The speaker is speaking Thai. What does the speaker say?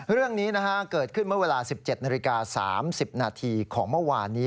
เรื่องนี้เกิดขึ้นเมื่อเวลา๑๗นาฬิกา๓๐นาทีของเมื่อวานนี้